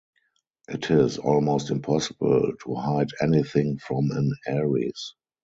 It is almost impossible to hide anything from an Aries.